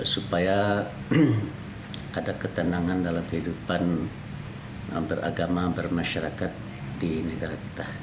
supaya ada ketenangan dalam kehidupan beragama bermasyarakat di negara kita